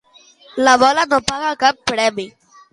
La bola no paga cap premi.